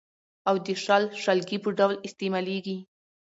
او د شل، شلګي په ډول استعمالېږي.